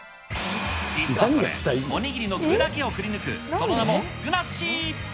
実はこれ、おにぎりの具だけをくりぬく、その名もグナッシー。